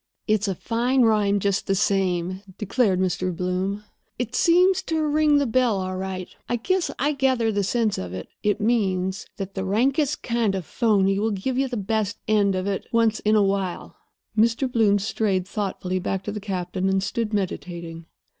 "It's a fine rhyme, just the same," declared Mr. Bloom. "It seems to ring the bell, all right. I guess I gather the sense of it. It means that the rankest kind of a phony will give you the best end of it once in a while." Mr. Bloom strayed thoughtfully back to the captain, and stood meditating.